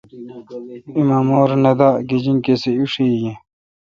ایمامور ام نہ دہ۔ گجین کسے ایݭی یہ۔